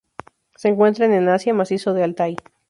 Se encuentran en Asia: macizo de Altai.